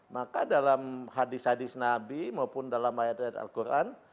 maka dalam hadis hadis nabi maupun dalam ayat ayat al quran